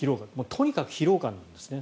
とにかく疲労感なんですね。